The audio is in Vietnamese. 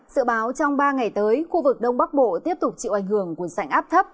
sự báo trong ba ngày tới khu vực đông bắc bộ tiếp tục chịu ảnh hưởng của sảnh áp thấp